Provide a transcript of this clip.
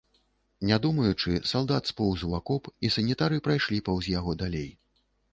Не думаючы, салдат споўз у акоп, і санітары прайшлі паўз яго далей.